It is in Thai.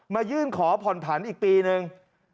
ยื่นขอผ่อนผันอีกปีนึง